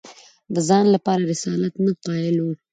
د ځان لپاره رسالت نه قایل وو